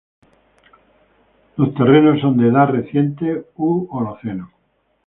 Los terrenos son de edad reciente u Holoceno.